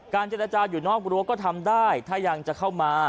เจรจาอยู่นอกรั้วก็ทำได้ถ้ายังจะเข้ามา